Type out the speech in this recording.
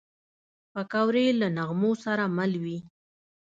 پکورې له نغمو سره مل وي